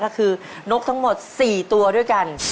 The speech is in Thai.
ก็คือนกทั้งหมด๔ตัวด้วยกัน